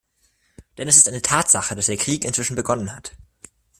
Denn es ist eine Tatsache, dass der Krieg inzwischen begonnen hat.